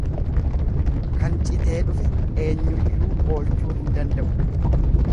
Kan citee dhufe eenyuyyuu oolchuu hin danda'u.